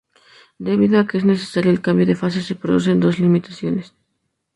Debido a que es necesario el cambio de fase se producen dos limitaciones.